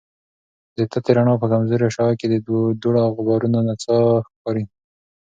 د تتي رڼا په کمزورې شعاع کې د دوړو او غبارونو نڅا ښکاري.